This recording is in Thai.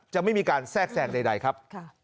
จะไม่มีการแทรกแทรงใดครับ